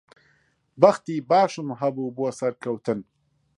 بەختی باشم هەبوو بۆ سەرکەوتن.